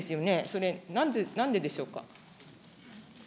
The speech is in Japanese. それ、なんででしょうか。